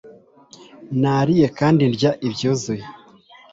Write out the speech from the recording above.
Nariye kandi ndya ibyuzuye